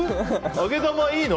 揚げ玉いいの？